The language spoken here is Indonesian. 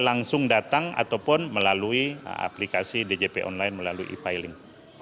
langsung datang ataupun melalui aplikasi djp online melalui e piling